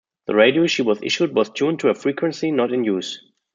The radio she was issued was tuned to a frequency not in use.